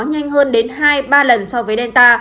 nhanh hơn đến hai ba lần so với delta